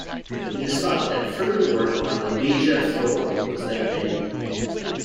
It is thought that further work on the "Beija Flor" was then abandoned.